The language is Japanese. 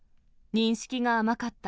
認識が甘かった。